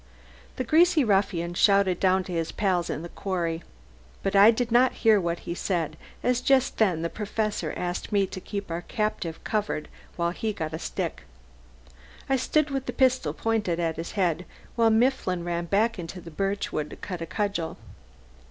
The greasy ruffian shouted down to his pals in the quarry, but I did not hear what he said, as just then the Professor asked me to keep our captive covered while he got a stick. I stood with the pistol pointed at his head while Mifflin ran back into the birchwood to cut a cudgel.